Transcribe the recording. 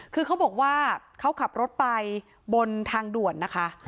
คือเขาบอกว่าเขาขับรถไปบนทางด่วนนะคะ